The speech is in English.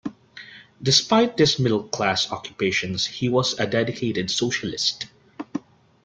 Despite these middle-class occupations he was a dedicated socialist.